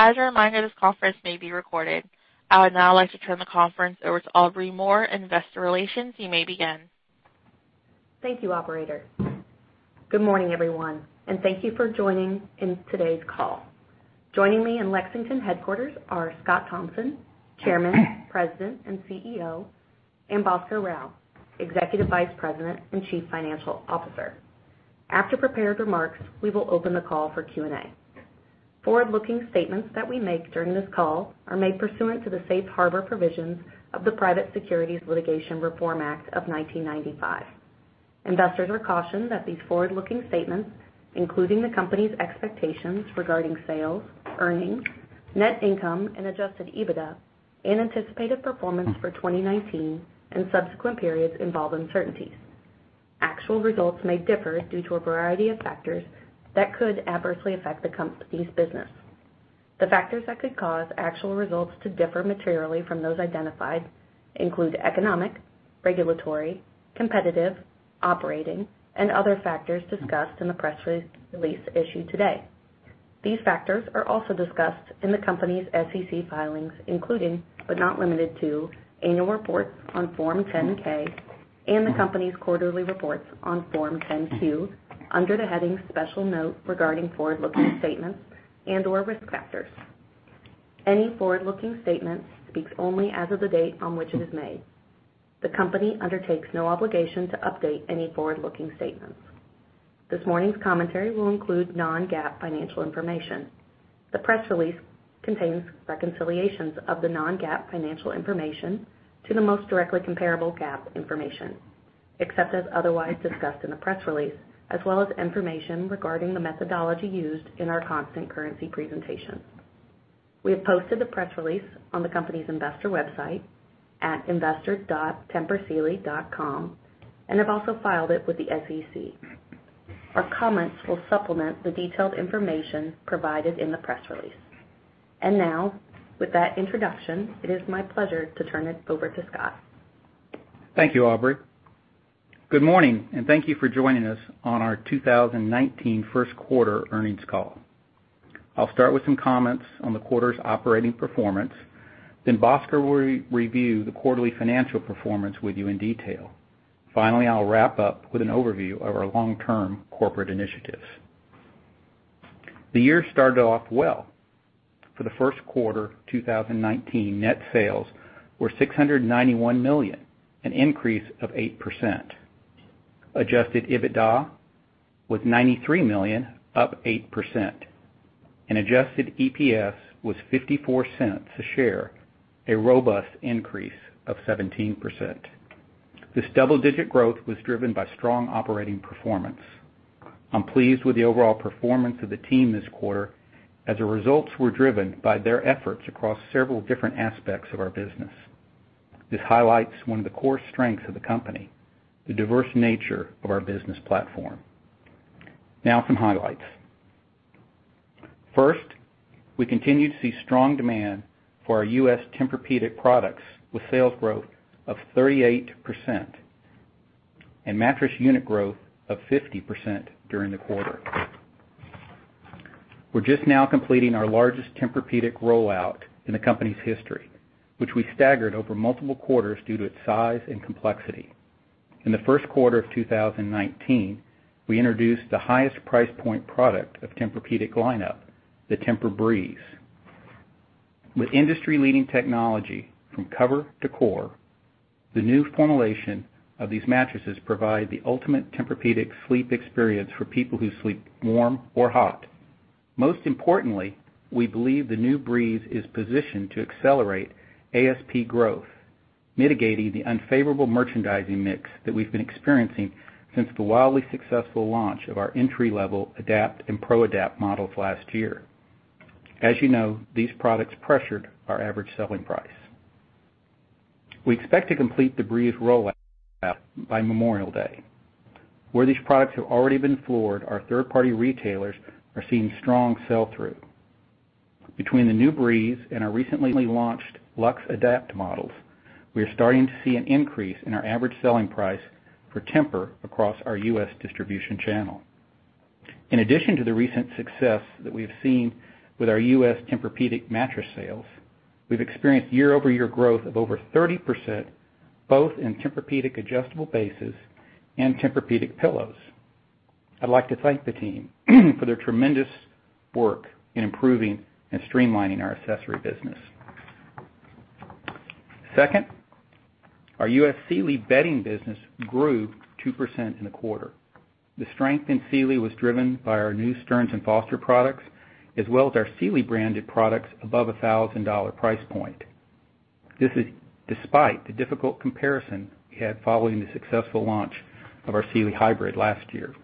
As a reminder, this conference may be recorded. I would now like to turn the conference over to Aubrey Moore in Investor Relations. You may begin. Thank you, operator. Good morning, everyone, and thank you for joining in today's call. Joining me in Lexington headquarters are Scott Thompson, Chairman, President, and CEO, and Bhaskar Rao, Executive Vice President and Chief Financial Officer. After prepared remarks, we will open the call for Q&A. Forward-looking statements that we make during this call are made pursuant to the safe harbor provisions of the Private Securities Litigation Reform Act of 1995. Investors are cautioned that these forward-looking statements, including the company's expectations regarding sales, earnings, net income and adjusted EBITDA and anticipated performance for 2019 and subsequent periods involve uncertainties. Actual results may differ due to a variety of factors that could adversely affect the company's business. The factors that could cause actual results to differ materially from those identified include economic, regulatory, competitive, operating, and other factors discussed in the press re-release issued today. These factors are also discussed in the company's SEC filings, including, but not limited to, annual reports on Form 10-K and the company's quarterly reports on Form 10-Q under the heading Special Note Regarding Forward-Looking Statements and/or Risk Factors. Any forward-looking statement speaks only as of the date on which it is made. The company undertakes no obligation to update any forward-looking statements. This morning's commentary will include non-GAAP financial information. The press release contains reconciliations of the non-GAAP financial information to the most directly comparable GAAP information, except as otherwise discussed in the press release, as well as information regarding the methodology used in our constant currency presentations. We have posted the press release on the company's investor website at investor.tempursealy.com and have also filed it with the SEC. Our comments will supplement the detailed information provided in the press release. Now, with that introduction, it is my pleasure to turn it over to Scott. Thank you, Aubrey. Good morning, and thank you for joining us on our 2019 first quarter earnings call. I'll start with some comments on the quarter's operating performance. Bhaskar will re-review the quarterly financial performance with you in detail. Finally, I'll wrap up with an overview of our long-term corporate initiatives. The year started off well. For the first quarter 2019, net sales were $691 million, an increase of 8%. Adjusted EBITDA was $93 million, up 8%, and adjusted EPS was $0.54 a share, a robust increase of 17%. This double-digit growth was driven by strong operating performance. I'm pleased with the overall performance of the team this quarter as the results were driven by their efforts across several different aspects of our business. This highlights one of the core strengths of the company, the diverse nature of our business platform. Now, some highlights. First, we continue to see strong demand for our U.S. Tempur-Pedic products with sales growth of 38% and mattress unit growth of 50% during the quarter. We're just now completing our largest Tempur-Pedic rollout in the company's history, which we staggered over multiple quarters due to its size and complexity. In the first quarter of 2019, we introduced the highest price point product of Tempur-Pedic lineup, the TEMPUR-breeze. With industry-leading technology from cover to core, the new formulation of these mattresses provide the ultimate Tempur-Pedic sleep experience for people who sleep warm or hot. Most importantly, we believe the new TEMPUR-breeze is positioned to accelerate ASP growth, mitigating the unfavorable merchandising mix that we've been experiencing since the wildly successful launch of our entry-level TEMPUR-Adapt and TEMPUR-ProAdapt models last year. As you know, these products pressured our average selling price. We expect to complete the TEMPUR-breeze rollout by Memorial Day. Where these products have already been floored, our third-party retailers are seeing strong sell-through. Between the new TEMPUR-breeze and our recently launched TEMPUR-LuxeAdapt models, we are starting to see an increase in our average selling price for Tempur across our U.S. distribution channel. In addition to the recent success that we have seen with our U.S. Tempur-Pedic mattress sales, we've experienced year-over-year growth of over 30%, both in Tempur-Pedic adjustable bases and Tempur-Pedic pillows. I'd like to thank the team for their tremendous work in improving and streamlining our accessory business. Second, our U.S. Sealy bedding business grew 2% in the quarter. The strength in Sealy was driven by our new Stearns & Foster products as well as our Sealy-branded products above $1,000 price point. This is despite the difficult comparison we had following the successful launch of our Sealy Hybrid last year.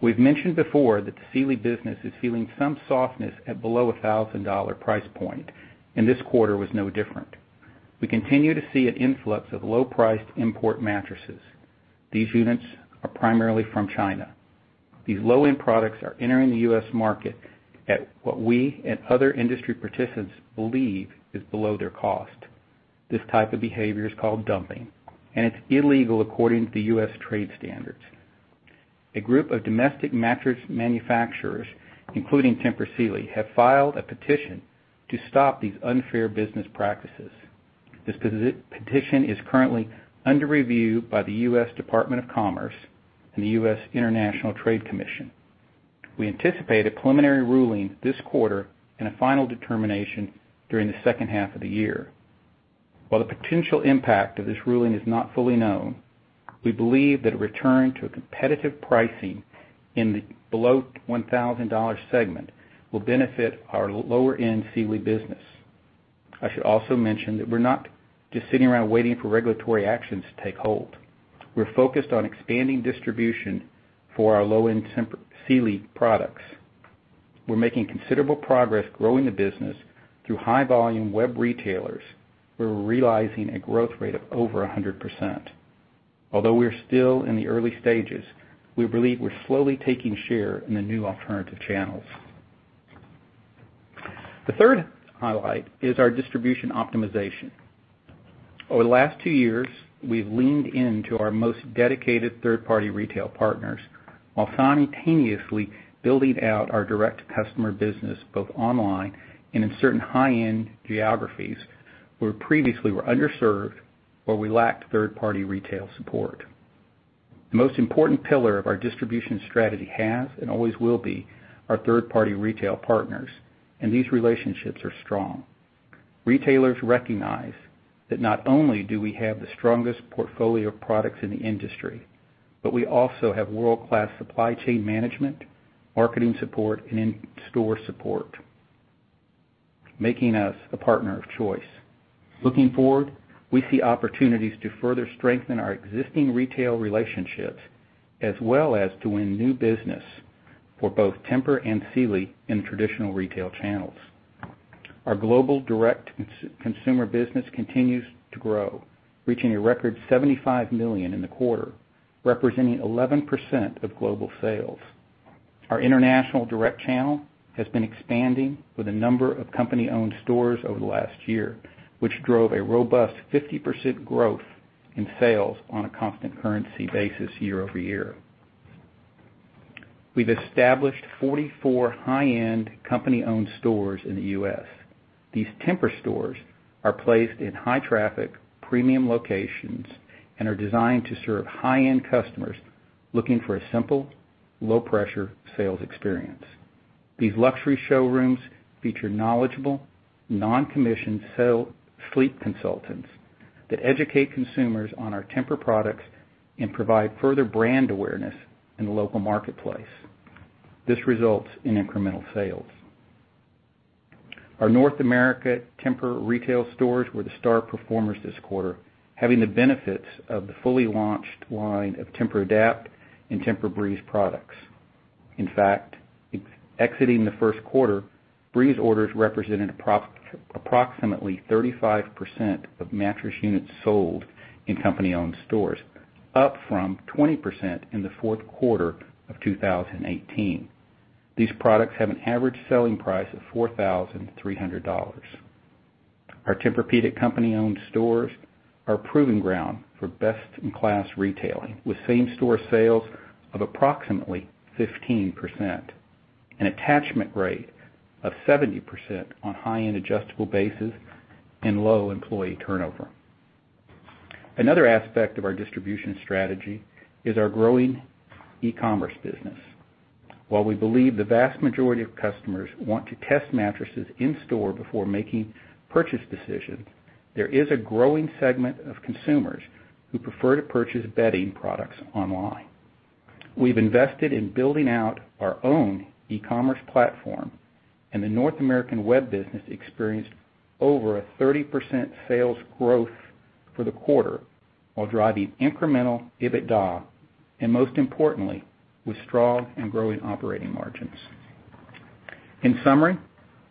We've mentioned before that the Sealy business is feeling some softness at below $1,000 price point, and this quarter was no different. We continue to see an influx of low-priced import mattresses. These units are primarily from China. These low-end products are entering the U.S. market at what we and other industry participants believe is below their cost. This type of behavior is called dumping, and it's illegal according to U.S. trade standards. A group of domestic mattress manufacturers, including Tempur Sealy, have filed a petition to stop these unfair business practices. This petition is currently under review by the U.S. Department of Commerce and the U.S. International Trade Commission. We anticipate a preliminary ruling this quarter and a final determination during the second half of the year. While the potential impact of this ruling is not fully known, we believe that a return to a competitive pricing in the below $1,000 segment will benefit our lower-end Sealy business. I should also mention that we're not just sitting around waiting for regulatory actions to take hold. We're focused on expanding distribution for our low-end Tempur Sealy products. We're making considerable progress growing the business through high-volume web retailers. We're realizing a growth rate of over 100%. Although we are still in the early stages, we believe we're slowly taking share in the new alternative channels. The third highlight is our distribution optimization. Over the last two years, we've leaned into our most dedicated third-party retail partners while simultaneously building out our direct customer business, both online and in certain high-end geographies where previously were underserved or we lacked third-party retail support. The most important pillar of our distribution strategy has and always will be our third-party retail partners, and these relationships are strong. Retailers recognize that not only do we have the strongest portfolio of products in the industry, but we also have world-class supply chain management, marketing support, and in-store support, making us a partner of choice. Looking forward, we see opportunities to further strengthen our existing retail relationships, as well as to win new business for both Tempur and Sealy in traditional retail channels. Our global direct consumer business continues to grow, reaching a record $75 million in the quarter, representing 11% of global sales. Our international direct channel has been expanding with a number of company-owned stores over the last year, which drove a robust 50% growth in sales on a constant currency basis year-over-year. We've established 44 high-end company-owned stores in the U.S. These Tempur stores are placed in high-traffic premium locations and are designed to serve high-end customers looking for a simple, low-pressure sales experience. These luxury showrooms feature knowledgeable, non-commissioned sleep consultants that educate consumers on our Tempur products and provide further brand awareness in the local marketplace. This results in incremental sales. Our North America Tempur retail stores were the star performers this quarter, having the benefits of the fully launched line of Tempur TEMPUR-Adapt and TEMPUR-breeze products. In fact, exiting the first quarter, TEMPUR-breeze orders represented approximately 35% of mattress units sold in company-owned stores, up from 20% in the fourth quarter of 2018. These products have an average selling price of $4,300. Our Tempur-Pedic company-owned stores are a proving ground for best-in-class retailing, with same-store sales of approximately 15%, an attachment rate of 70% on high-end adjustable bases and low employee turnover. Another aspect of our distribution strategy is our growing e-commerce business. While we believe the vast majority of customers want to test mattresses in store before making purchase decisions, there is a growing segment of consumers who prefer to purchase bedding products online. We've invested in building out our own e-commerce platform, and the North American web business experienced over a 30% sales growth for the quarter while driving incremental EBITDA, and most importantly, with strong and growing operating margins. In summary,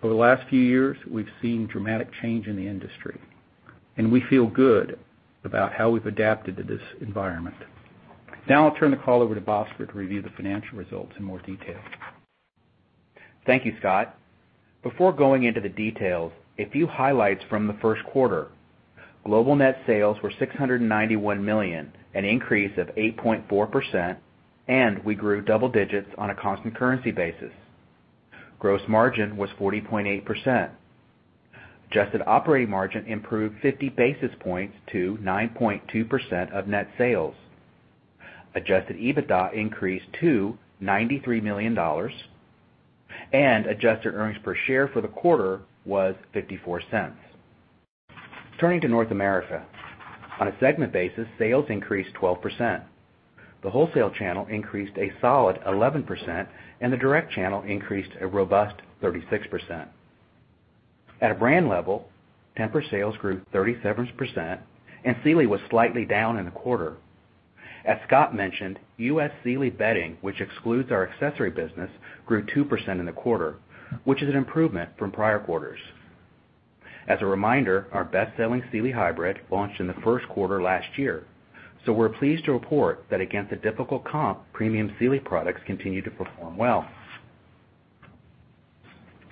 over the last few years, we've seen dramatic change in the industry, and we feel good about how we've adapted to this environment. Now I'll turn the call over to Bhaskar to review the financial results in more detail. Thank you, Scott. Before going into the details, a few highlights from the first quarter. Global net sales were $691 million, an increase of 8.4%, we grew double digits on a constant currency basis. Gross margin was 40.8%. Adjusted operating margin improved 50 basis points to 9.2% of net sales. Adjusted EBITDA increased to $93 million, adjusted earnings per share for the quarter was $0.54. Turning to North America. On a segment basis, sales increased 12%. The wholesale channel increased a solid 11%, the direct channel increased a robust 36%. At a brand level, Tempur sales grew 37%, Sealy was slightly down in the quarter. As Scott mentioned, U.S. Sealy bedding, which excludes our accessory business, grew 2% in the quarter, which is an improvement from prior quarters. As a reminder, our best-selling Sealy Hybrid launched in the first quarter last year, so we're pleased to report that against a difficult comp, premium Sealy products continue to perform well.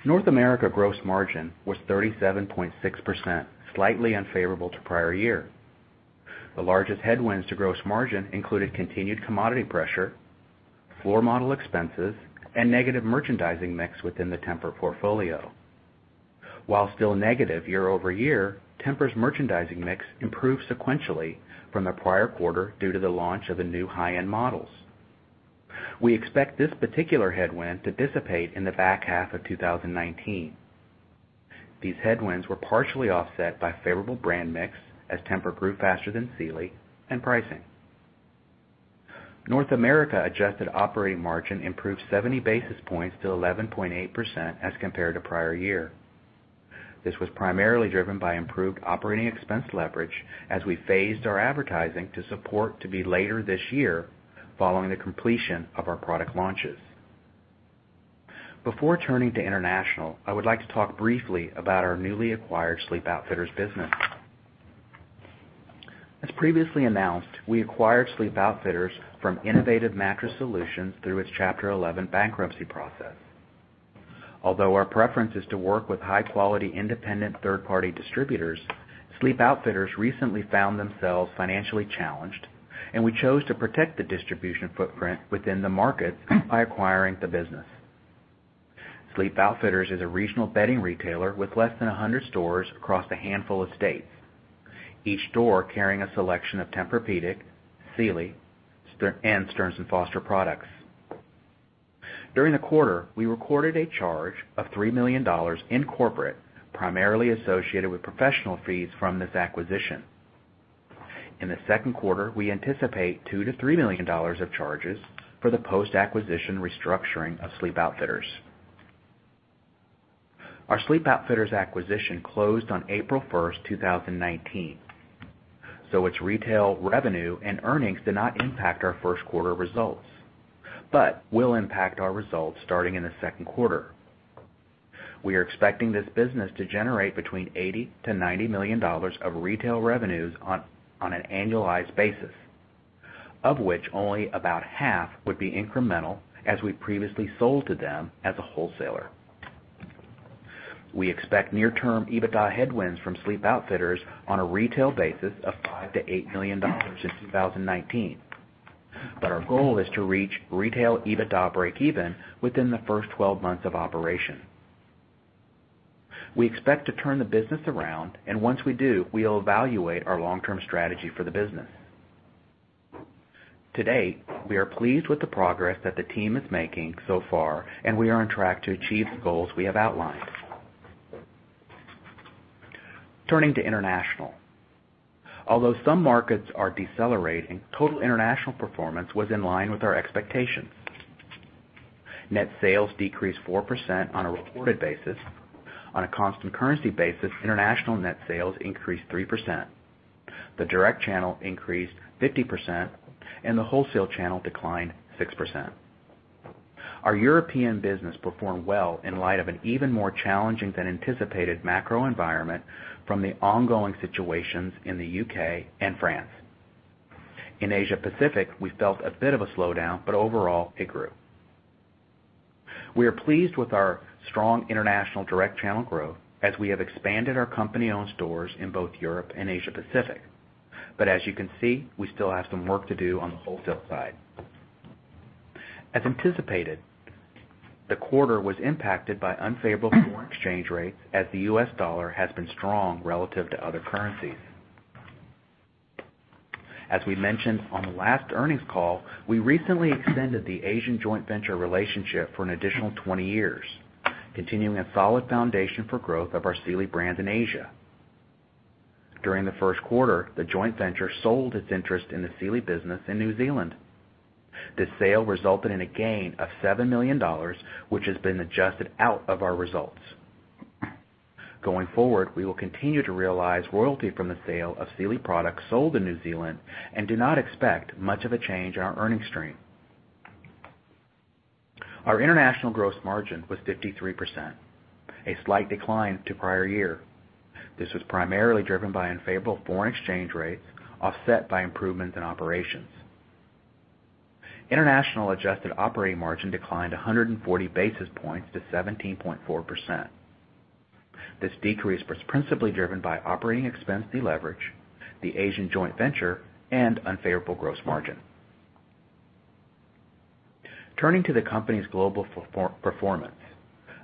North America gross margin was 37.6%, slightly unfavorable to prior year. The largest headwinds to gross margin included continued commodity pressure, floor model expenses, and negative merchandising mix within the Tempur portfolio. While still negative year-over-year, Tempur's merchandising mix improved sequentially from the prior quarter due to the launch of the new high-end models. We expect this particular headwind to dissipate in the back half of 2019. These headwinds were partially offset by favorable brand mix as Tempur grew faster than Sealy and pricing. North America adjusted operating margin improved 70 basis points to 11.8% as compared to prior year. This was primarily driven by improved operating expense leverage as we phased our advertising to support to be later this year following the completion of our product launches. Before turning to international, I would like to talk briefly about our newly acquired Sleep Outfitters business. As previously announced, we acquired Sleep Outfitters from Innovative Mattress Solutions through its Chapter 11 bankruptcy process. Although our preference is to work with high-quality independent third-party distributors, Sleep Outfitters recently found themselves financially challenged, and we chose to protect the distribution footprint within the market by acquiring the business. Sleep Outfitters is a regional bedding retailer with less than 100 stores across a handful of states. Each store carrying a selection of Tempur-Pedic, Sealy, and Stearns & Foster products. During the quarter, we recorded a charge of $3 million in corporate, primarily associated with professional fees from this acquisition. In the second quarter, we anticipate $2 million-$3 million of charges for the post-acquisition restructuring of Sleep Outfitters. Our Sleep Outfitters acquisition closed on April 1st, 2019, its retail revenue and earnings did not impact our first quarter results, but will impact our results starting in the second quarter. We are expecting this business to generate between $80 million-$90 million of retail revenues on an annualized basis, of which only about half would be incremental as we previously sold to them as a wholesaler. We expect near-term EBITDA headwinds from Sleep Outfitters on a retail basis of $5 million-$8 million in 2019. Our goal is to reach retail EBITDA breakeven within the first 12 months of operation. We expect to turn the business around, and once we do, we'll evaluate our long-term strategy for the business. To date, we are pleased with the progress that the team is making so far, and we are on track to achieve the goals we have outlined. Turning to international. Although some markets are decelerating, total international performance was in line with our expectations. Net sales decreased 4% on a reported basis. On a constant currency basis, international net sales increased 3%. The direct channel increased 50%, and the wholesale channel declined 6%. Our European business performed well in light of an even more challenging than anticipated macro environment from the ongoing situations in the U.K. and France. In Asia Pacific, we felt a bit of a slowdown, overall, it grew. We are pleased with our strong international direct channel growth as we have expanded our company-owned stores in both Europe and Asia Pacific. As you can see, we still have some work to do on the wholesale side. As anticipated, the quarter was impacted by unfavorable foreign exchange rates as the U.S. dollar has been strong relative to other currencies. As we mentioned on the last earnings call, we recently extended the Asian joint venture relationship for an additional 20 years, continuing a solid foundation for growth of our Sealy brand in Asia. During the first quarter, the joint venture sold its interest in the Sealy business in New Zealand. This sale resulted in a gain of $7 million, which has been adjusted out of our results. Going forward, we will continue to realize royalty from the sale of Sealy products sold in New Zealand and do not expect much of a change in our earnings stream. Our international gross margin was 53%, a slight decline to prior year. This was primarily driven by unfavorable foreign exchange rates, offset by improvements in operations. International adjusted operating margin declined 140 basis points to 17.4%. This decrease was principally driven by operating expense deleverage, the Asian joint venture, and unfavorable gross margin. Turning to the company's global performance.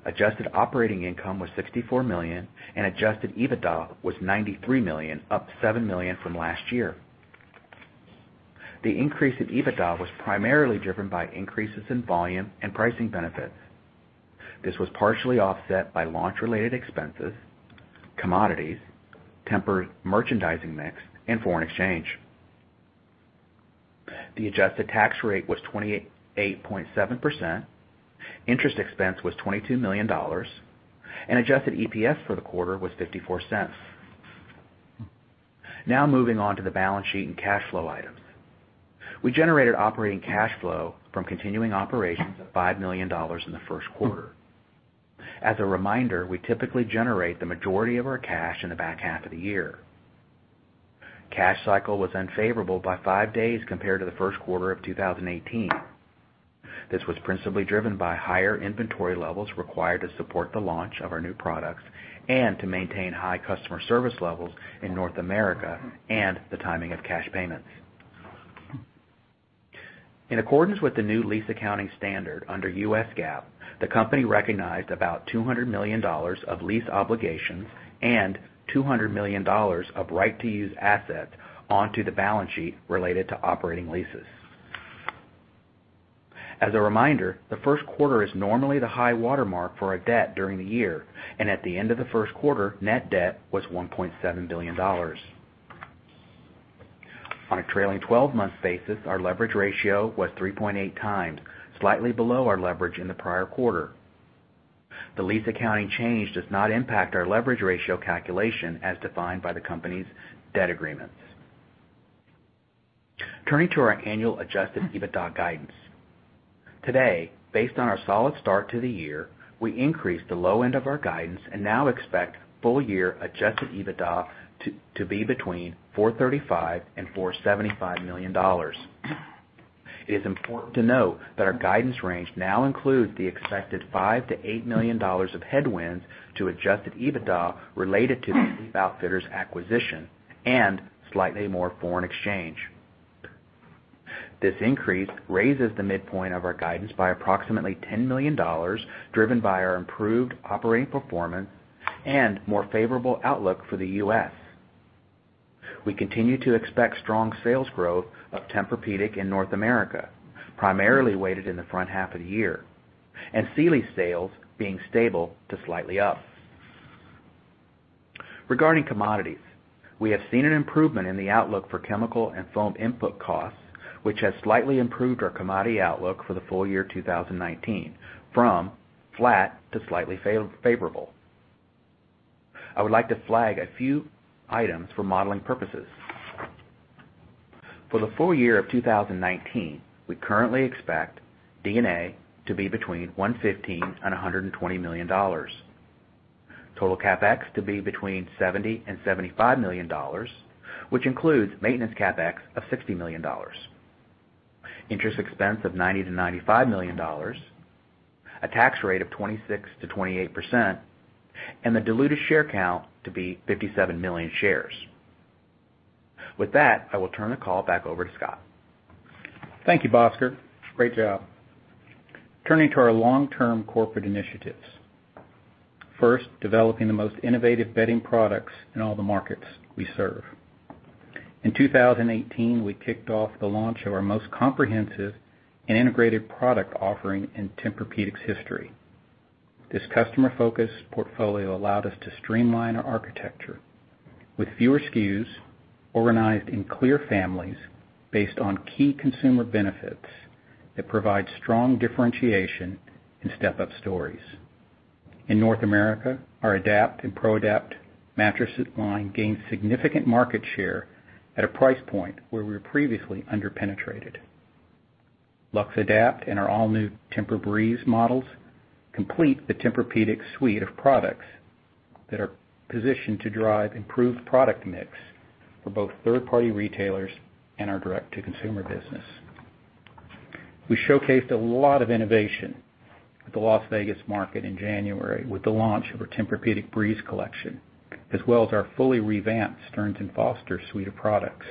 Adjusted operating income was $64 million, and adjusted EBITDA was $93 million, up $7 million from last year. The increase in EBITDA was primarily driven by increases in volume and pricing benefits. This was partially offset by launch-related expenses, commodities, Tempur's merchandising mix, and foreign exchange. The adjusted tax rate was 28.7%. Interest expense was $22 million. Adjusted EPS for the quarter was $0.54. Now moving on to the balance sheet and cash flow items. We generated operating cash flow from continuing operations of $5 million in the first quarter. As a reminder, we typically generate the majority of our cash in the back half of the year. Cash cycle was unfavorable by five days compared to the first quarter of 2018. This was principally driven by higher inventory levels required to support the launch of our new products and to maintain high customer service levels in North America and the timing of cash payments. In accordance with the new lease accounting standard under US GAAP, the company recognized about $200 million of lease obligations and $200 million of right-to-use assets onto the balance sheet related to operating leases. As a reminder, the first quarter is normally the high watermark for our debt during the year, and at the end of the first quarter, net debt was $1.7 billion. On a trailing 12-month basis, our leverage ratio was 3.8 times, slightly below our leverage in the prior quarter. The lease accounting change does not impact our leverage ratio calculation as defined by the company's debt agreements. Turning to our annual adjusted EBITDA guidance. Today, based on our solid start to the year, we increased the low end of our guidance and now expect full year adjusted EBITDA to be between $435 million and $475 million. It is important to note that our guidance range now includes the expected $5 million-$8 million of headwinds to adjusted EBITDA related to the Sleep Outfitters acquisition and slightly more foreign exchange. This increase raises the midpoint of our guidance by approximately $10 million, driven by our improved operating performance and more favorable outlook for the U.S. We continue to expect strong sales growth of Tempur-Pedic in North America, primarily weighted in the front half of the year, and Sealy sales being stable to slightly up. Regarding commodities, we have seen an improvement in the outlook for chemical and foam input costs, which has slightly improved our commodity outlook for the full year 2019 from flat to slightly favorable. I would like to flag a few items for modeling purposes. For the full year of 2019, we currently expect D&A to be between $115 million and $120 million. Total CapEx to be between $70 million and $75 million, which includes maintenance CapEx of $60 million. Interest expense of $90 million-$95 million. A tax rate of 26%-28%, and the diluted share count to be 57 million shares. With that, I will turn the call back over to Scott. Thank you, Bhaskar. Great job. Turning to our long-term corporate initiatives. First, developing the most innovative bedding products in all the markets we serve. In 2018, we kicked off the launch of our most comprehensive and integrated product offering in Tempur-Pedic's history. This customer-focused portfolio allowed us to streamline our architecture with fewer SKUs organized in clear families based on key consumer benefits that provide strong differentiation and step-up stories. In North America, our TEMPUR-Adapt and TEMPUR-ProAdapt mattress line gained significant market share at a price point where we were previously under-penetrated. LuxeAdapt and our all-new TEMPUR-breeze models complete the Tempur-Pedic suite of products that are positioned to drive improved product mix for both third-party retailers and our direct-to-consumer business. We showcased a lot of innovation at the Las Vegas market in January with the launch of our TEMPUR-breeze collection, as well as our fully revamped Stearns & Foster suite of products.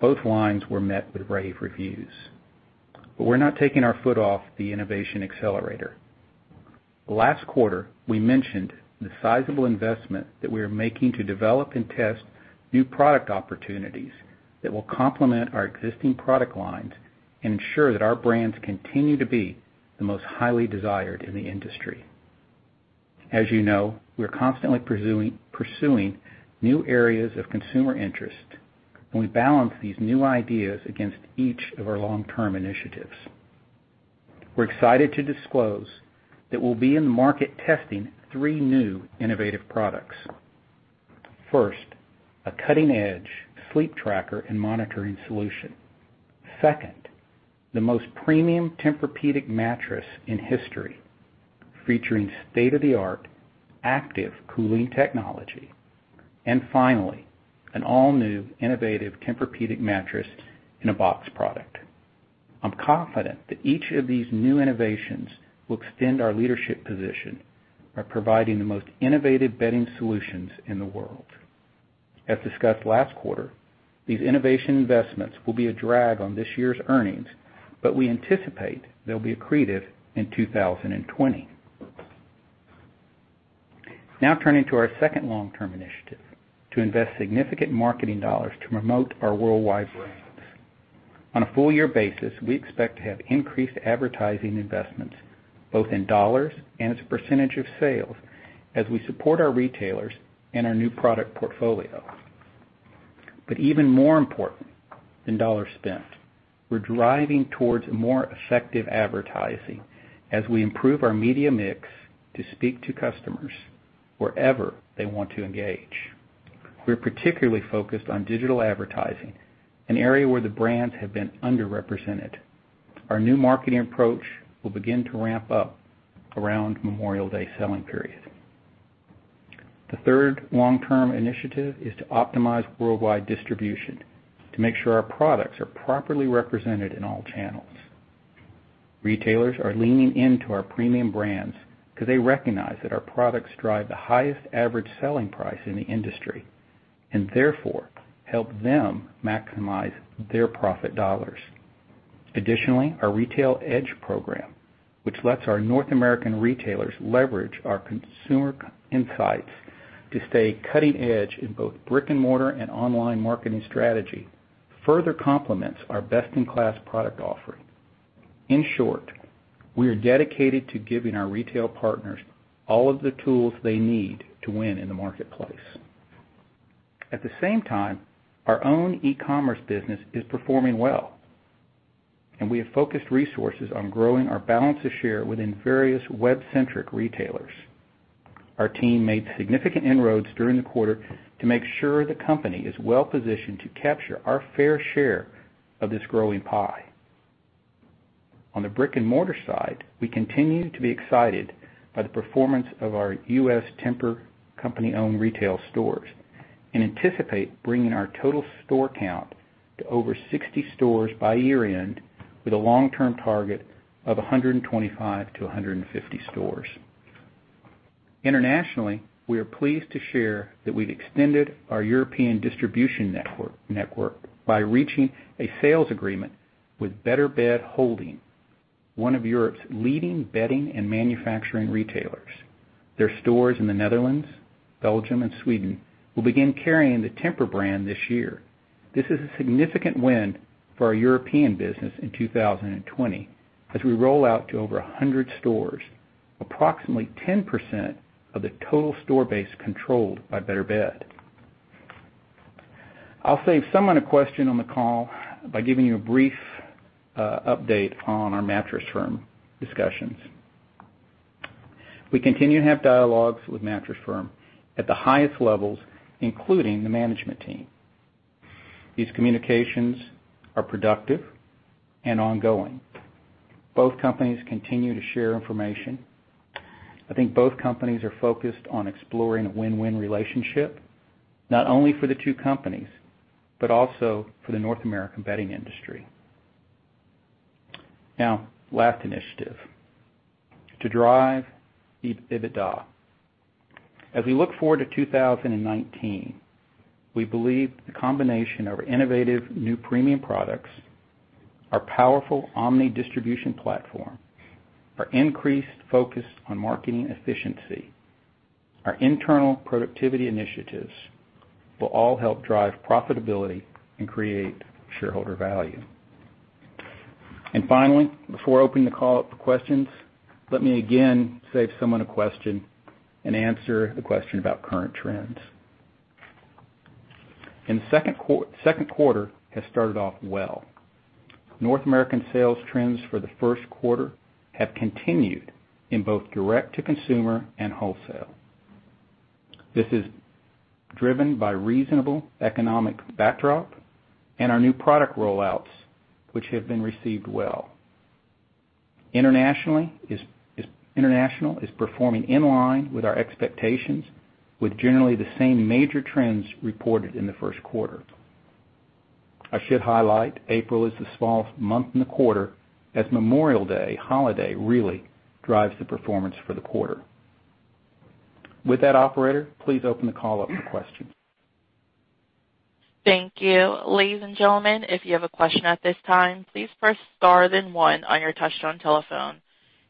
Both lines were met with rave reviews. We're not taking our foot off the innovation accelerator. Last quarter, we mentioned the sizable investment that we are making to develop and test new product opportunities that will complement our existing product lines and ensure that our brands continue to be the most highly desired in the industry. As you know, we are constantly pursuing new areas of consumer interest, and we balance these new ideas against each of our long-term initiatives. We're excited to disclose that we'll be in the market testing three new innovative products. First, a cutting-edge sleep tracker and monitoring solution. Second, the most premium Tempur-Pedic mattress in history, featuring state-of-the-art active cooling technology. Finally, an all-new innovative Tempur-Pedic mattress in a box product. I'm confident that each of these new innovations will extend our leadership position by providing the most innovative bedding solutions in the world. As discussed last quarter, these innovation investments will be a drag on this year's earnings, but we anticipate they'll be accretive in 2020. Turning to our second long-term initiative, to invest significant marketing dollars to promote our worldwide brands. On a full year basis, we expect to have increased advertising investments, both in dollars and as a percentage of sales, as we support our retailers and our new product portfolio. Even more important than dollars spent, we're driving towards more effective advertising as we improve our media mix to speak to customers wherever they want to engage. We're particularly focused on digital advertising, an area where the brands have been underrepresented. Our new marketing approach will begin to ramp up around Memorial Day selling period. The third long-term initiative is to optimize worldwide distribution to make sure our products are properly represented in all channels. Retailers are leaning into our premium brands because they recognize that our products drive the highest average selling price in the industry and therefore help them maximize their profit dollars. Our Retail Edge program, which lets our North American retailers leverage our consumer insights to stay cutting edge in both brick-and-mortar and online marketing strategy, further complements our best-in-class product offering. In short, we are dedicated to giving our retail partners all of the tools they need to win in the marketplace. At the same time, our own e-commerce business is performing well, and we have focused resources on growing our balance of share within various web-centric retailers. Our team made significant inroads during the quarter to make sure the company is well positioned to capture our fair share of this growing pie. On the brick-and-mortar side, we continue to be excited by the performance of our U.S. Tempur company-owned retail stores and anticipate bringing our total store count to over 60 stores by year-end with a long-term target of 125-150 stores. Internationally, we are pleased to share that we've extended our European distribution network by reaching a sales agreement with Beter Bed Holding, one of Europe's leading bedding and manufacturing retailers. Their stores in the Netherlands, Belgium, and Sweden will begin carrying the Tempur brand this year. This is a significant win for our European business in 2020 as we roll out to over 100 stores, approximately 10% of the total store base controlled by Beter Bed. I'll save someone a question on the call by giving you a brief update on our Mattress Firm discussions. We continue to have dialogues with Mattress Firm at the highest levels, including the management team. These communications are productive and ongoing. Both companies continue to share information. I think both companies are focused on exploring a win-win relationship, not only for the two companies but also for the North American bedding industry. Last initiative, to drive EBITDA. As we look forward to 2019, we believe the combination of our innovative new premium products, our powerful omni distribution platform, our increased focus on marketing efficiency, our internal productivity initiatives will all help drive profitability and create shareholder value. Finally, before opening the call up for questions, let me again save someone a question and answer the question about current trends. In the second quarter has started off well. North American sales trends for the first quarter have continued in both direct-to-consumer and wholesale. This is driven by reasonable economic backdrop and our new product rollouts, which have been received well. International is performing in line with our expectations with generally the same major trends reported in the first quarter. I should highlight April is the smallest month in the quarter as Memorial Day holiday really drives the performance for the quarter. With that, operator, please open the call up for questions. Thank you. Ladies and gentlemen, if you have a question at this time, please press star then one on your touchtone telephone.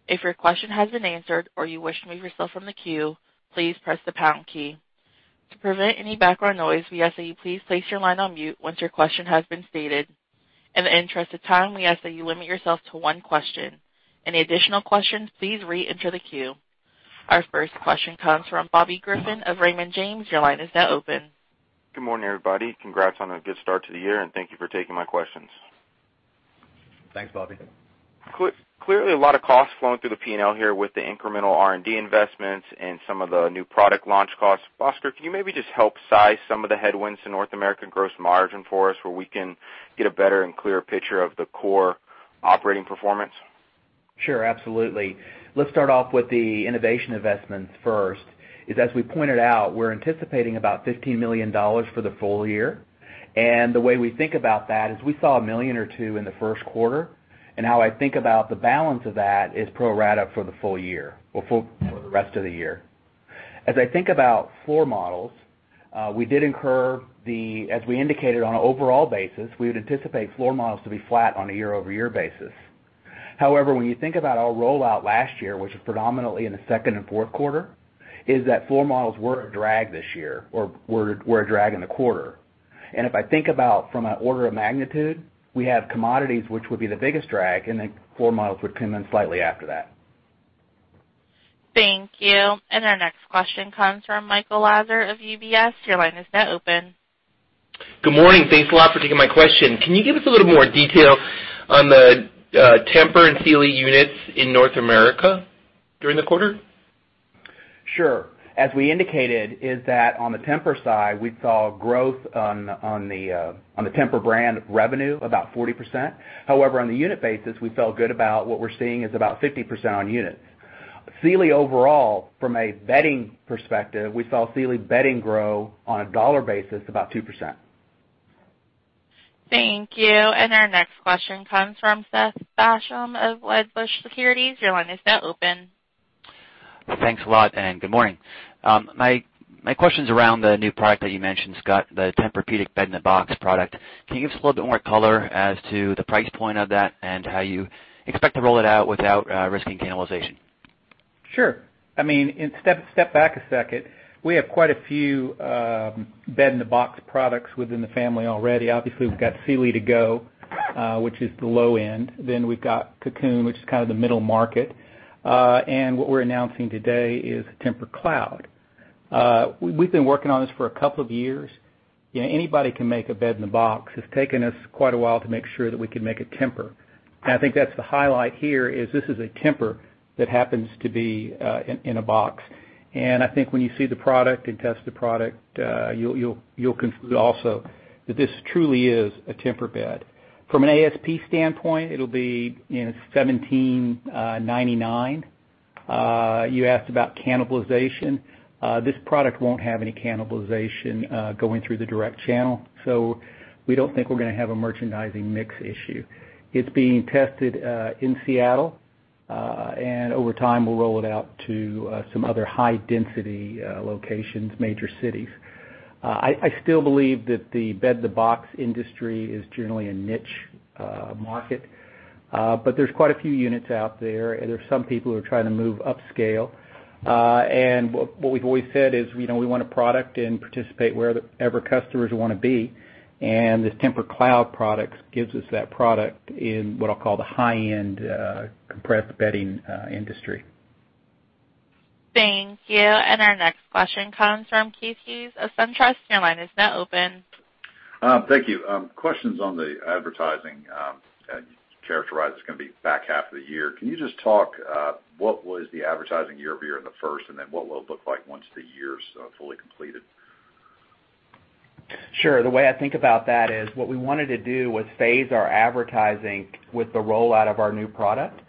If your question has been answered or you wish to remove yourself from the queue, please press the pound key. To prevent any background noise, we ask that you please place your line on mute once your question has been stated. In the interest of time, we ask that you limit yourself to one question. Any additional questions, please reenter the queue. Our first question comes from Bobby Griffin of Raymond James. Your line is now open. Good morning, everybody. Congrats on a good start to the year. Thank you for taking my questions. Thanks, Bobby. Clearly, a lot of costs flowing through the P&L here with the incremental R&D investments and some of the new product launch costs. Bhaskar, can you maybe just help size some of the headwinds to North American gross margin for us where we can get a better and clearer picture of the core operating performance? Sure, absolutely. Let's start off with the innovation investments first is, as we pointed out, we're anticipating about $15 million for the full year. The way we think about that is we saw $1 million or $2 million in the first quarter. How I think about the balance of that is pro rata for the full year or full for the rest of the year. As I think about floor models, we did incur as we indicated on an overall basis, we would anticipate floor models to be flat on a year-over-year basis. However, when you think about our rollout last year, which was predominantly in the second and fourth quarter, is that floor models were a drag this year or were a drag in the quarter. If I think about from an order of magnitude, we have commodities which would be the biggest drag, and then floor models would come in slightly after that. Thank you. Our next question comes from Michael Lasser of UBS. Your line is now open. Good morning. Thanks a lot for taking my question. Can you give us a little more detail on the Tempur and Sealy units in North America during the quarter? Sure. As we indicated is that on the Tempur side, we saw growth on the Tempur brand revenue about 40%. However, on the unit basis, we felt good about what we're seeing is about 50% on units. Sealy overall, from a bedding perspective, we saw Sealy bedding grow on a dollar basis about 2%. Thank you. Our next question comes from Seth Basham of Wedbush Securities. Your line is now open. Thanks a lot, good morning. My question's around the new product that you mentioned, Scott, the Tempur-Pedic bed-in-a-box product. Can you give us a little bit more color as to the price point of that and how you expect to roll it out without risking cannibalization? Sure. I mean, step back a second. We have quite a few bed-in-a-box products within the family already. Obviously, we've got Sealy to Go, which is the low end. We've got Cocoon, which is kind of the middle market. What we're announcing today is TEMPUR-Cloud. We've been working on this for a couple of years. You know, anybody can make a bed-in-a-box. It's taken us quite a while to make sure that we can make a Tempur. I think that's the highlight here is this is a Tempur that happens to be in a box. I think when you see the product and test the product, you'll conclude also that this truly is a Tempur bed. From an ASP standpoint, it'll be, you know, $1,799. You asked about cannibalization. This product won't have any cannibalization going through the direct channel, so we don't think we're gonna have a merchandising mix issue. It's being tested in Seattle, and over time, we'll roll it out to some other high density locations, major cities. I still believe that the bed-in-a-box industry is generally a niche market, but there's quite a few units out there, and there's some people who are trying to move upscale. And what we've always said is, you know, we want a product and participate wherever customers wanna be, and this TEMPUR-Cloud product gives us that product in what I'll call the high-end compressed bedding industry. Thank you. Our next question comes from Keith Hughes of SunTrust. Your line is now open. Thank you. Questions on the advertising. You characterized it's gonna be back half of the year. Can you just talk, what was the advertising year-over-year in the first, and then what will it look like once the year's fully completed? Sure. The way I think about that is what we wanted to do was phase our advertising with the rollout of our new product.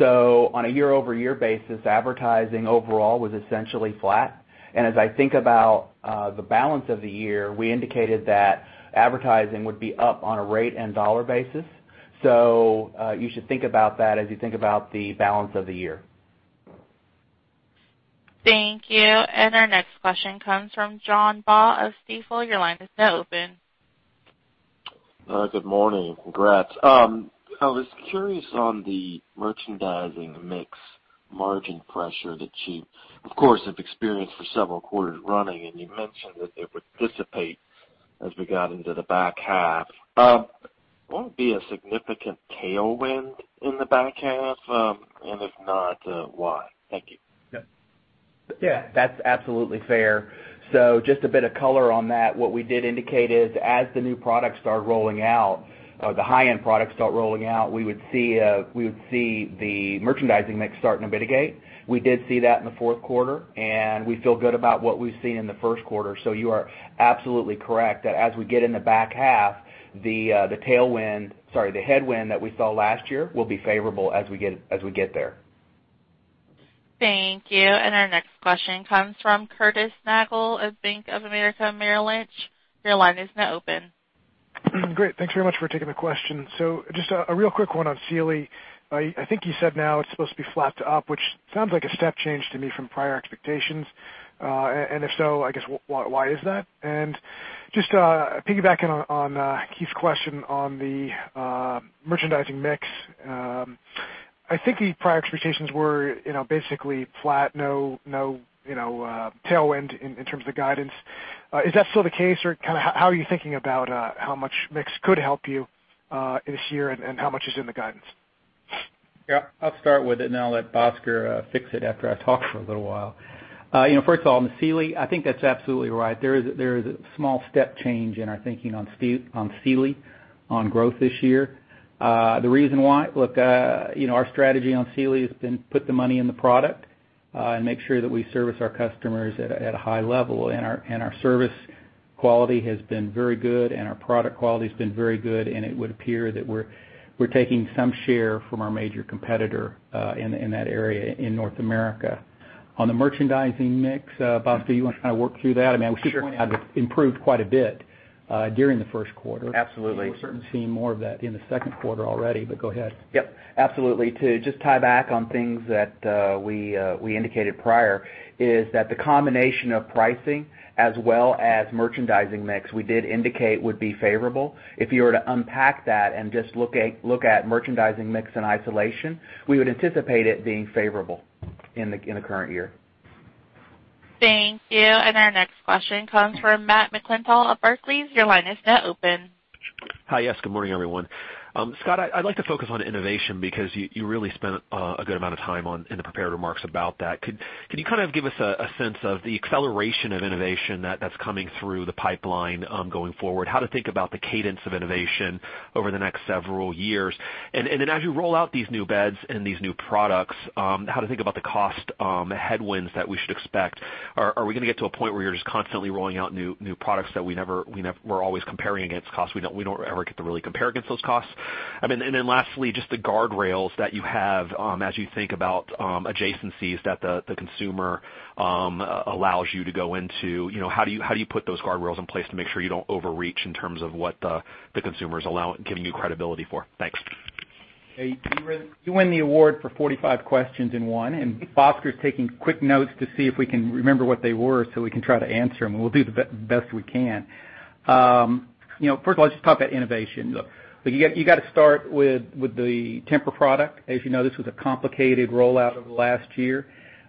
On a year-over-year basis, advertising overall was essentially flat. As I think about the balance of the year, we indicated that advertising would be up on a rate and dollar basis. You should think about that as you think about the balance of the year. Thank you. Our next question comes from John Baugh of Stifel. Your line is now open. Good morning. Congrats. I was curious on the merchandising mix margin pressure that you, of course, have experienced for several quarters running, and you mentioned that it would dissipate as we got into the back half. Will it be a significant tailwind in the back half? If not, why? Thank you. Yeah, that's absolutely fair. Just a bit of color on that. What we did indicate is as the new products start rolling out or the high-end products start rolling out, we would see the merchandising mix starting to mitigate. We did see that in the fourth quarter, and we feel good about what we've seen in the first quarter. You are absolutely correct that as we get in the back half, the tailwind, sorry, the headwind that we saw last year will be favorable as we get there. Thank you. Our next question comes from Curtis Nagle of Bank of America Merrill Lynch. Your line is now open. Great. Thanks very much for taking the question. Just a real quick one on Sealy. I think you said now it's supposed to be flat to up, which sounds like a step change to me from prior expectations. If so, I guess why is that? Just piggybacking on Keith's question on the merchandising mix, I think the prior expectations were, you know, basically flat, no, you know, tailwind in terms of guidance. Is that still the case? Kinda how are you thinking about how much mix could help you this year and how much is in the guidance? Yeah. I'll start with it, and then I'll let Bhaskar fix it after I talk for a little while. You know, first of all, on the Sealy, I think that's absolutely right. There is a small step change in our thinking on Sealy on growth this year. The reason why, look, you know, our strategy on Sealy has been put the money in the product, and make sure that we service our customers at a high level. And our service quality has been very good, and our product quality's been very good, and it would appear that we're taking some share from our major competitor in that area in North America. On the merchandising mix, Bhaskar, you wanna kind of work through that? I mean, I was just pointing out it improved quite a bit during the first quarter. Absolutely. We're certainly seeing more of that in the second quarter already, but go ahead. Yep, absolutely. To just tie back on things that we indicated prior is that the combination of pricing as well as merchandising mix we did indicate would be favorable. If you were to unpack that and just look at merchandising mix in isolation, we would anticipate it being favorable in the current year. Thank you. Our next question comes from Matt McClintock of Barclays. Your line is now open. Hi. Yes, good morning, everyone. Scott, I'd like to focus on innovation because you really spent a good amount of time in the prepared remarks about that. Could you kind of give us a sense of the acceleration of innovation that's coming through the pipeline going forward? How to think about the cadence of innovation over the next several years? Then as you roll out these new beds and these new products, how to think about the cost headwinds that we should expect? Are we gonna get to a point where you're just constantly rolling out new products that we're always comparing against costs, we don't ever get to really compare against those costs? I mean, then lastly, just the guardrails that you have, as you think about, adjacencies that the consumer, allows you to go into. You know, how do you put those guardrails in place to make sure you don't overreach in terms of what the consumer's giving you credibility for? Thanks. Hey, you win the award for 45 questions in one. Bhaskar is taking quick notes to see if we can remember what they were so we can try to answer them. We'll do the best we can. You know, first of all, let's just talk about innovation. Look, you got to start with the Tempur product. As you know, this was a complicated rollout over the last year.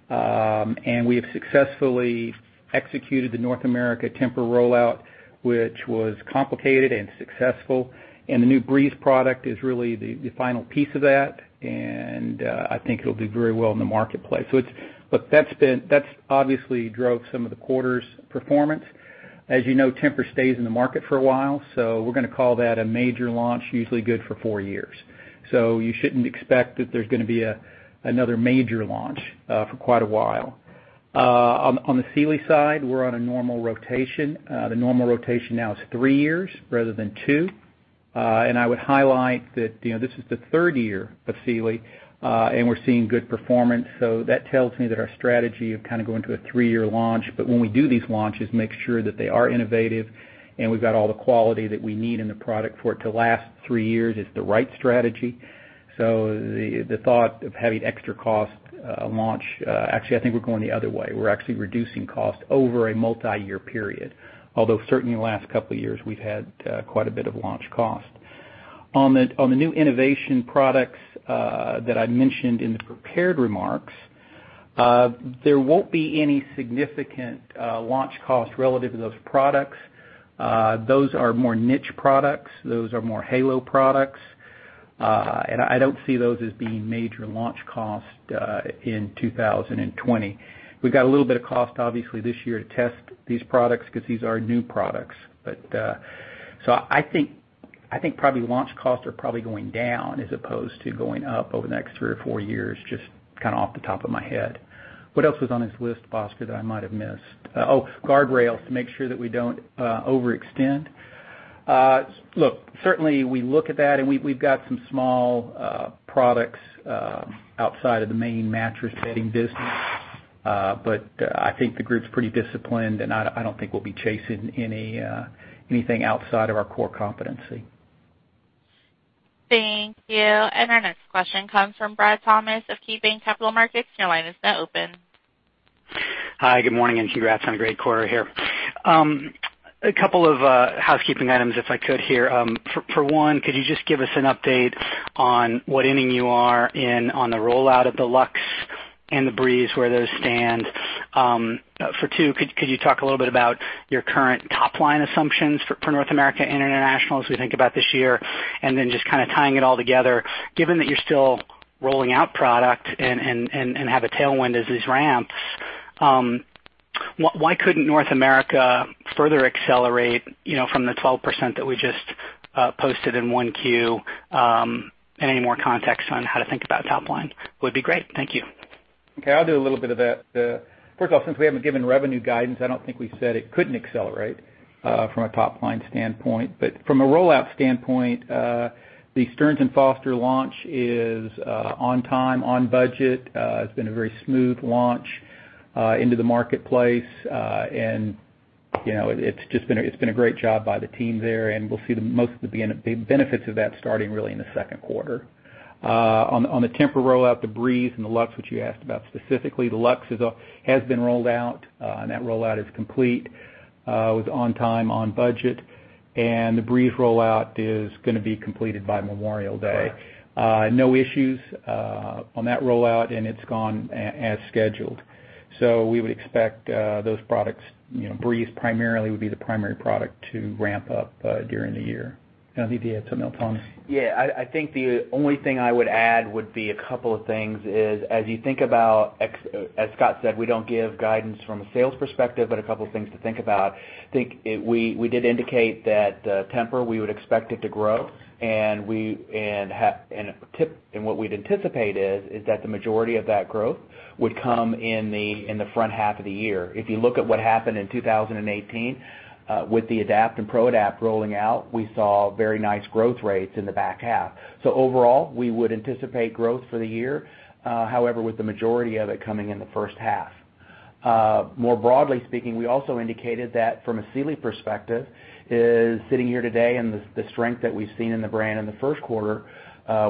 We have successfully executed the North America Tempur rollout, which was complicated and successful. The new Breeze product is really the final piece of that, and I think it'll do very well in the marketplace. Look, that's obviously drove some of the quarter's performance. As you know, Tempur stays in the market for a while. We're going to call that a major launch, usually good for four years. You shouldn't expect that there's going to be another major launch for quite a while. On the Sealy side, we're on a normal rotation. The normal rotation now is three years rather than two. And I would highlight that, you know, this is the third year of Sealy, and we're seeing good performance. That tells me that our strategy of kind of going to a three-year launch, but when we do these launches, make sure that they are innovative and we've got all the quality that we need in the product for it to last three years is the right strategy. The thought of having extra cost launch, actually, I think we're going the other way. We're actually reducing cost over a multi-year period, although certainly in the last couple of years, we've had quite a bit of launch cost. On the new innovation products that I mentioned in the prepared remarks, there won't be any significant launch cost relative to those products. Those are more niche products. Those are more halo products. I don't see those as being major launch cost in 2020. We've got a little bit of cost, obviously, this year to test these products because these are new products. I think probably launch costs are probably going down as opposed to going up over the next three or four years, just kind of off the top of my head. What else was on his list, Bhaskar, that I might have missed? Oh, guardrails to make sure that we don't overextend. Look, certainly we look at that and we've got some small products, outside of the main mattress bedding business. I think the group's pretty disciplined, and I don't think we'll be chasing any anything outside of our core competency. Thank you. Our next question comes from Brad Thomas of KeyBanc Capital Markets. Your line is now open. Hi, good morning, congrats on a great quarter here. A couple of housekeeping items, if I could here. For one, could you just give us an update on what inning you are in on the rollout of the Luxe and the Breeze, where those stand? For two, could you talk a little bit about your current top line assumptions for North America and international as we think about this year? Just kind of tying it all together, given that you're still rolling out product and have a tailwind as these ramp, why couldn't North America further accelerate, you know, from the 12% that we just posted in Q1, and any more context on how to think about top line would be great. Thank you. Okay. I'll do a little bit of that. First of all, since we haven't given revenue guidance, I don't think we said it couldn't accelerate from a top line standpoint. From a rollout standpoint, the Stearns & Foster launch is on time, on budget. It's been a very smooth launch into the marketplace. You know, it's been a great job by the team there, and we'll see the most of the benefits of that starting really in the second quarter. On the Tempur rollout, the Breeze and the Luxe, which you asked about specifically, the Luxe has been rolled out, and that rollout is complete. It was on time, on budget, the Breeze rollout is going to be completed by Memorial Day. No issues on that rollout, and it's gone as scheduled. We would expect those products, you know, TEMPUR-breeze primarily would be the primary product to ramp up during the year. I think you had something else, Bradley Thomas. I think the only thing I would add would be a couple of things is as you think about As Scott said, we don't give guidance from a sales perspective, a couple of things to think about. I think we did indicate that Tempur, we would expect it to grow, and what we'd anticipate is that the majority of that growth would come in the front half of the year. If you look at what happened in 2018, with the TEMPUR-Adapt and TEMPUR-ProAdapt rolling out, we saw very nice growth rates in the back half. Overall, we would anticipate growth for the year, however, with the majority of it coming in the first half. More broadly speaking, we also indicated that from a Sealy perspective is sitting here today and the strength that we've seen in the brand in the first quarter,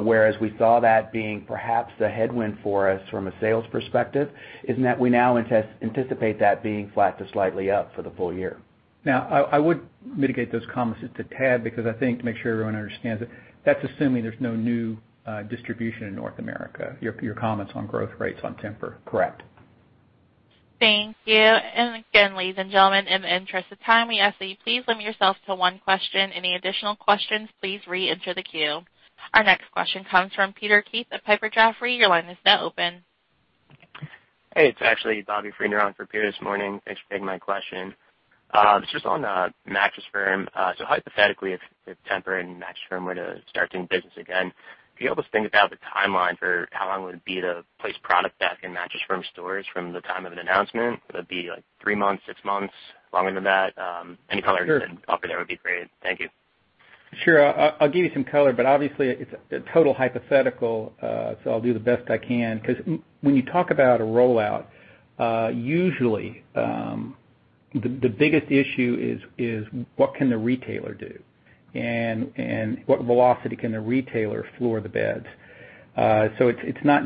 whereas we saw that being perhaps a headwind for us from a sales perspective, is net we now anticipate that being flat to slightly up for the full year. Now, I would mitigate those comments just a tad because I think to make sure everyone understands it, that's assuming there's no new distribution in North America, your comments on growth rates on Tempur. Correct. Thank you. Again, ladies and gentlemen, in the interest of time, we ask that you please limit yourself to 1 question. Any additional questions, please reenter the queue. Our next question comes from Peter Keith at Piper Jaffray. Your line is now open. Hey, it's actually Peter Keith on for Peter this morning. Thanks for taking my question. Just on the Mattress Firm, hypothetically, if Tempur and Mattress Firm were to start doing business again, can you help us think about the timeline for how long would it be to place product back in Mattress Firm stores from the time of an announcement? Would it be, like, three months, six months, longer than that? Any color? Sure. You can offer there would be great. Thank you. Sure. I'll give you some color, but obviously it's a total hypothetical, so I'll do the best I can. When you talk about a rollout, usually, the biggest issue is what can the retailer do and what velocity can the retailer floor the beds. It's not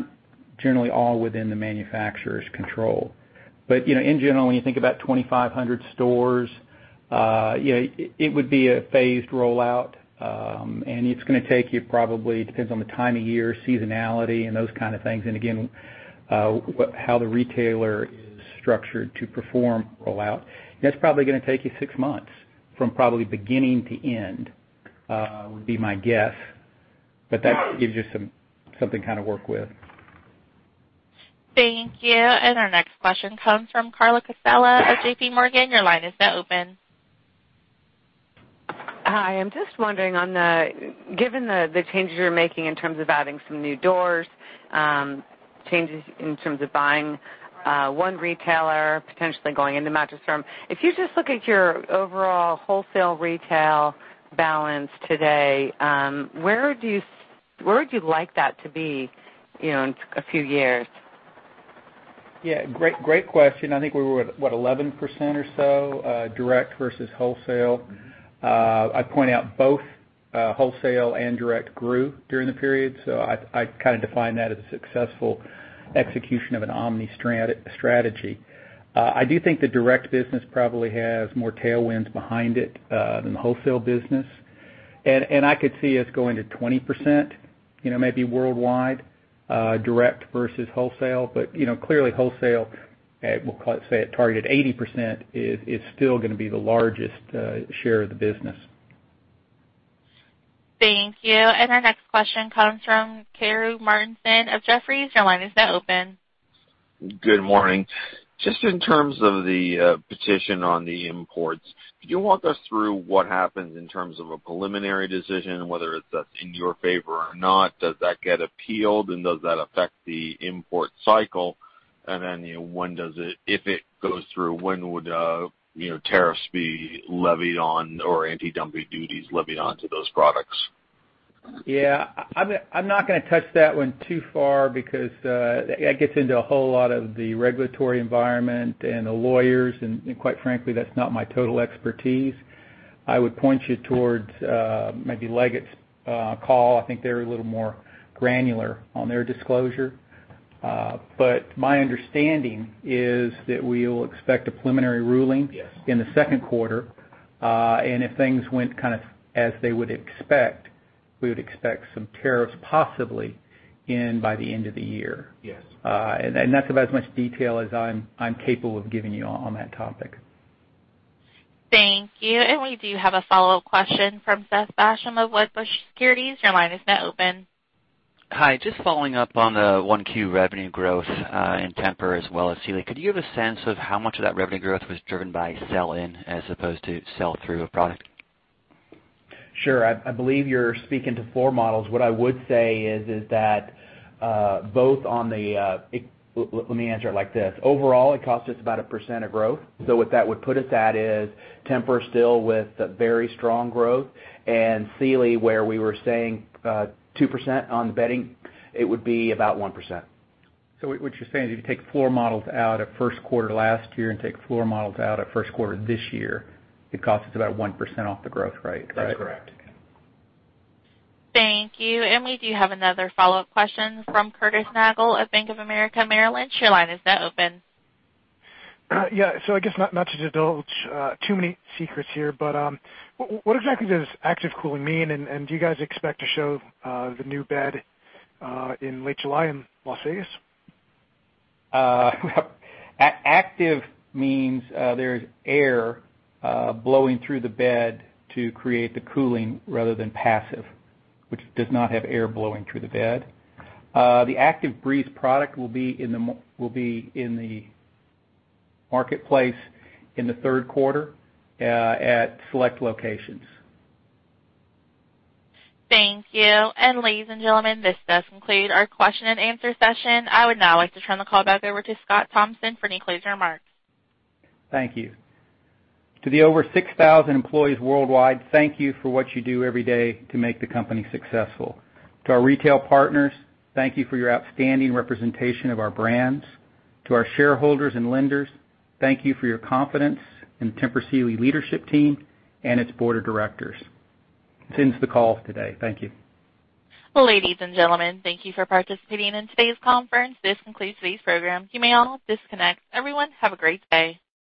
generally all within the manufacturer's control. You know, in general, when you think about 2,500 stores, you know, it would be a phased rollout, and it's gonna take you probably, depends on the time of year, seasonality, and those kind of things, and again, what how the retailer is structured to perform rollout. That's probably gonna take you 6 months from probably beginning to end, would be my guess. That gives you something kind of work with. Thank you. Our next question comes from Carla Casella of JPMorgan. Your line is now open. Hi, I'm just wondering given the changes you're making in terms of adding some new doors, changes in terms of buying one retailer, potentially going into Mattress Firm, if you just look at your overall wholesale/retail balance today, where would you like that to be, you know, in a few years? Yeah, great question. I think we were at, what, 11% or so, direct versus wholesale. I point out both, wholesale and direct grew during the period, so I kind of define that as a successful execution of an omni-strategy. I do think the direct business probably has more tailwinds behind it than the wholesale business. I could see us going to 20%, you know, maybe worldwide, direct versus wholesale. You know, clearly wholesale at, we'll call it, say, at target 80% is still gonna be the largest share of the business. Thank you. Our next question comes from Karru Martinson of Jefferies. Your line is now open. Good morning. Just in terms of the petition on the imports, can you walk us through what happens in terms of a preliminary decision, whether that's in your favor or not? Does that get appealed, and does that affect the import cycle? If it goes through, when would, you know, tariffs be levied on or anti-dumping duties levied onto those products? Yeah. I'm not gonna touch that one too far because it gets into a whole lot of the regulatory environment and the lawyers, and quite frankly, that's not my total expertise. I would point you towards maybe Leggett's call. I think they're a little more granular on their disclosure. My understanding is that we will expect a preliminary ruling in the second quarter. If things went kind of as they would expect, we would expect some tariffs possibly in by the end of the year. Yes. That's about as much detail as I'm capable of giving you on that topic. Thank you. We do have a follow-up question from Seth Basham of Wedbush Securities. Your line is now open. Hi, just following up on Q1 revenue growth in Tempur as well as Sealy. Could you give a sense of how much of that revenue growth was driven by sell-in as opposed to sell-through of product? Sure. I believe you're speaking to floor models. What I would say is that, Let me answer it like this. Overall, it cost us about 1% of growth. What that would put us at is Tempur still with very strong growth and Sealy, where we were saying, 2% on the bedding, it would be about 1%. What you're saying is if you take floor models out at first quarter last year and take floor models out at first quarter this year, it costs about 1% off the growth rate, correct? That's correct. Thank you. We do have another follow-up question from Curtis Nagle of Bank of America Merrill Lynch. Your line is now open. Yeah. I guess not to divulge too many secrets here, but what exactly does active cooling mean? Do you guys expect to show the new bed in late July in Las Vegas? Active means there's air blowing through the bed to create the cooling rather than passive, which does not have air blowing through the bed. The ActiveBreeze product will be in the marketplace in the third quarter at select locations. Thank you. Ladies and gentlemen, this does conclude our question and answer session. I would now like to turn the call back over to Scott Thompson for any closing remarks. Thank you. To the over 6,000 employees worldwide, thank you for what you do every day to make the company successful. To our retail partners, thank you for your outstanding representation of our brands. To our shareholders and lenders, thank you for your confidence in Tempur Sealy leadership team and its board of directors. That ends the call today. Thank you. Ladies and gentlemen, thank you for participating in today's conference. This concludes today's program. You may all disconnect. Everyone, have a great day.